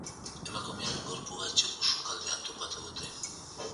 Emakumearen gorpua etxeko sukaldean topatu dute.